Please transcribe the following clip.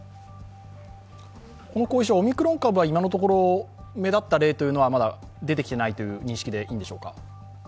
この後遺症、オミクロン株は今のところ目立った例というのはまだ出てきてないという認識でいいんでしょうか？